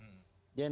dia niat baik